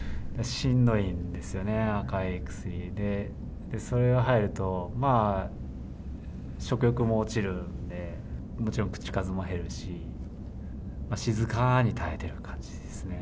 しんどいんですよね、赤い薬で、それが入ると、食欲も落ちるので、もちろん口数も減るし、静かに耐えてる感じですね。